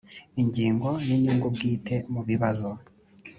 ingingo ya inyungu bwite mu bibazo